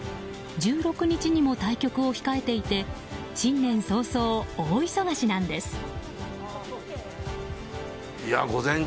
１６日にも対局を控えていて新年早々、大忙しなんです。